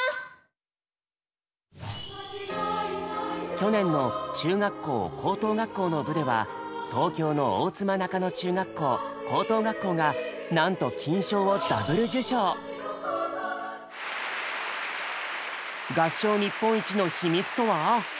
去年の中学校・高等学校の部では東京の大妻中野中学校・高等学校がなんと金賞を合唱日本一の秘密とは？